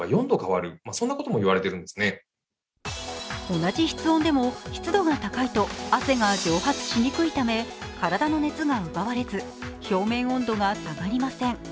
同じ室温でも湿度が高いと汗が蒸発しにくいため体の熱が奪われず表面温度が下がりません。